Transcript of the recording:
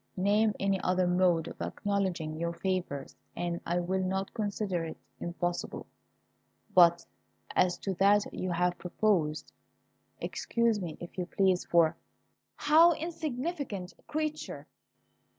Name any other mode of acknowledging your favours, and I will not consider it impossible; but as to that you have proposed, excuse me if you please, for " "How! insignificant creature!"